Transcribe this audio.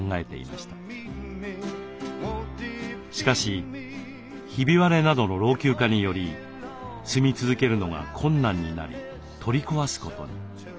しかしひび割れなどの老朽化により住み続けるのが困難になり取り壊すことに。